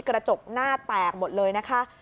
กระจกหน้าแตกหมดเลยนะคะ